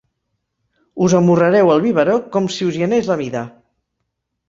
Us amorrareu al biberó com si us hi anés la vida.